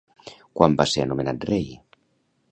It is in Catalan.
Quan va ser nomenat rei?